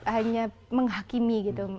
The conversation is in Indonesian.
hanya menghakimi gitu